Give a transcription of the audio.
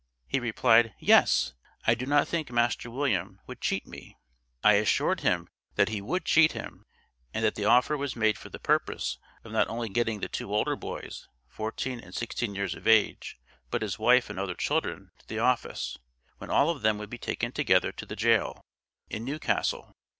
He replied: "Yes! I do not think master William would cheat me." I assured him that he would cheat him, and that the offer was made for the purpose of not only getting the two older boys (fourteen and sixteen years of age), but his wife and other children to the office, when all of them would be taken together to the jail, in New Castle.